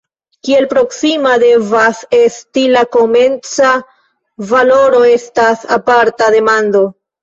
Kiel proksima devas esti la komenca valoro estas aparta demando.